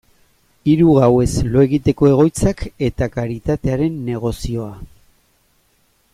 Hiru gauez lo egiteko egoitzak eta karitatearen negozioa.